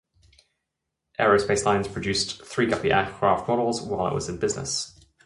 Aero Spacelines produced three Guppy aircraft models while it was in business.